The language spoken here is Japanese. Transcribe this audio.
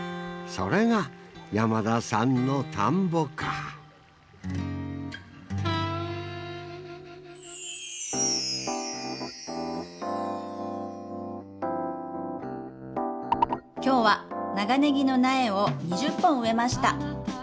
それが山田さんの田んぼか「きょうは長ネギの苗を２０本植えました！